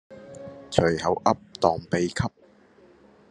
隨口噏當秘笈